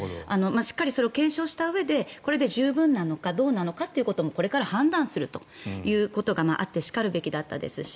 しっかりそれを検証したうえでこれで十分なのかどうなのかということもこれから判断するということがあってしかるべきだったですし